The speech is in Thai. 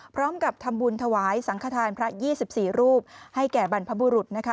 พร้อมกับทำบุญถวายสังขทานพระ๒๔รูปให้แก่บรรพบุรุษนะคะ